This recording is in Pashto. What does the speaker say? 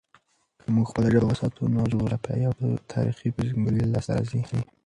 که موږ خپله ژبه وساتو، نو جغرافیايي او تاريخي پیژندګلوي لاسته راځي.